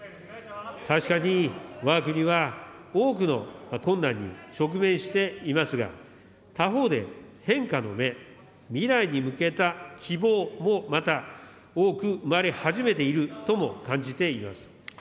確かにわが国は、多くの困難に直面していますが、他方で変化の芽、未来に向けた希望もまた、多く生まれ始めているとも感じています。